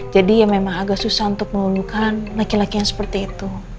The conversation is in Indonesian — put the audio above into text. jadi ya memang agak susah untuk melulukan laki laki yang seperti itu